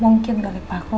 mungkin dari paku